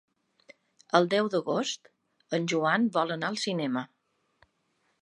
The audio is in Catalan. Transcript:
El deu d'agost en Joan vol anar al cinema.